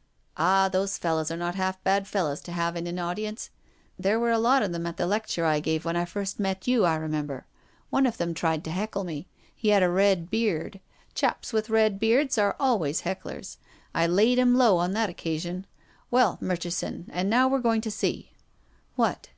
"" Ah, those fellows are not half bad fellows to have in an audience. There were a lot of them at the lecture I gave when I first met you, I re member. One of them tried to heckle me. He had a red beard. Chaps with red beards are al ways hecklers. I laid him low on that occasion. Well, Murchison, and now we're going to sec." "What?"